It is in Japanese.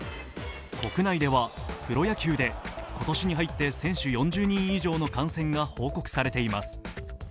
国内ではプロ野球で今年に入って選手４０人以上の感染が報告されています。